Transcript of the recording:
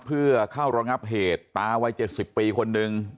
เพื่อเข้ารองรับเหตุตาวัยเจ็ดสิบปีคนหนึ่ง